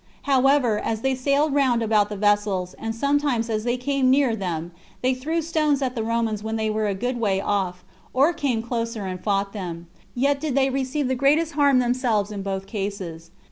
However, as they sailed round about the vessels, and sometimes as they came near them, they threw stones at the Romans when they were a good way off, or came closer and fought them; yet did they receive the greatest harm themselves in both cases.